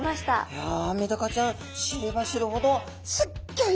いやメダカちゃん知れば知るほどすっギョい